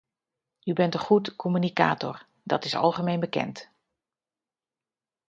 U bent een goed communicator, dat is algemeen bekend.